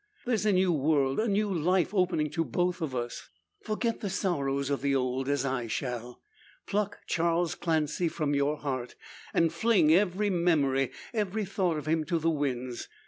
There's a new world, a new life, opening to both of us. Forget the sorrows of the old, as I shall. Pluck Charles Clancy from your heart, and fling every memory, every thought of him, to the winds!